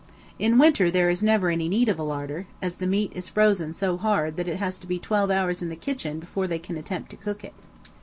In winter there is never any need of a larder, as the meat is frozen so hard that it has to be twelve hours in the kitchen before they can attempt to cook it.